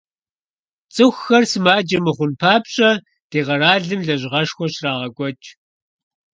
ЦӀыхухэр сымаджэ мыхъун папщӀэ, ди къэралым лэжьыгъэшхуэ щрагъэкӀуэкӀ.